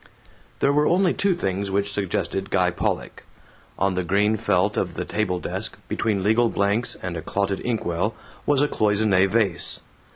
There were only two things which suggested Guy Pollock. On the green felt of the table desk, between legal blanks and a clotted inkwell, was a cloissone vase.